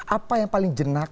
apa yang paling jernaka ya